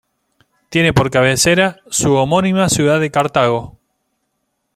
Tiene por cabecera su homónima ciudad de Cartago.